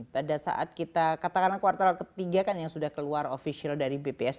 pada saat kita katakan kuartal ketiga kan yang sudah keluar official dari bps